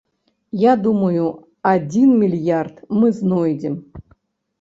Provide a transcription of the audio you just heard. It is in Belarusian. Я думаю, адзін мільярд мы знойдзем.